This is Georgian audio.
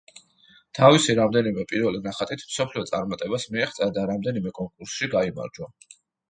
თავისი რამდენიმე პირველი ნახატით მსოფლიო წარმატებას მიაღწია და რამდენიმე კონკურსში გაიმარჯვა.